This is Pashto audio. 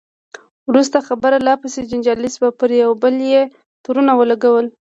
وروسته خبره لا پسې جنجالي شوه، پر یو بل یې تورونه ولګول.